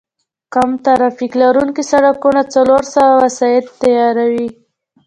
کم ترافیک لرونکي سړکونه څلور سوه وسایط تېروي